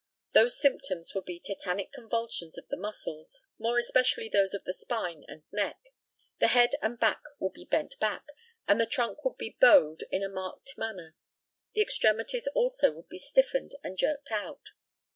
Those symptoms would be tetanic convulsions of the muscles more especially those of the spine and neck; the head and back would be bent back, and the trunk would be bowed in a marked manner; the extremities, also, would be stiffened and jerked out.